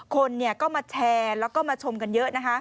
คนก็มาแชร์แล้วก็มาชมกันเยอะนะคะ